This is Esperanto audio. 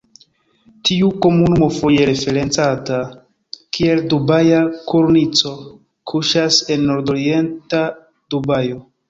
Tiu komunumo, foje referencata kiel Dubaja Kornico, kuŝas en nordorienta Dubajo.